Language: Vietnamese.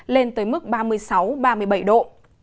lên tới mức ba mươi sáu ba mươi bảy độ